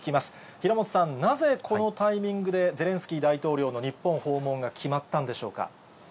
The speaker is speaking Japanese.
平本さん、なぜこのタイミングで、ゼレンスキー大統領の日本訪問が決まったんでしょうか。